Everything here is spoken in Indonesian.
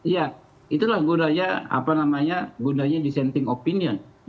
ya itulah gunanya dissenting opinion